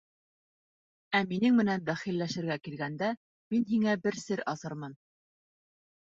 Ә минең менән бәхилләшергә килгәндә, мин һиңә бер сер асырмын.